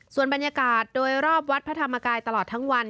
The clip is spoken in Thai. ส่วนบรรยากาศโดยรอบวัดพระธรรมกายตลอดทั้งวัน